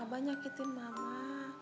abah nyakitin mama